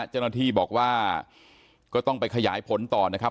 เจ้าหน้าที่บอกว่าก็ต้องไปขยายผลต่อนะครับ